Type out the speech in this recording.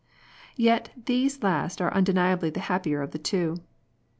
Yet these last are undeniably the happier of the two.